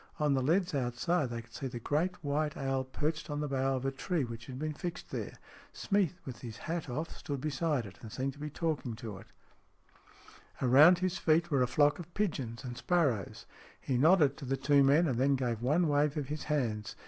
On the leads outside they could see the great white owl perched on the bough of a tree which had been fixed there. Smeath, with his hat off, stood beside it, and seemed to be talking to it. 40 STORIES IN GREY Around his feet were a flock of pigeons and sparrows. He nodded to the two men, and then gave one wave of his hands.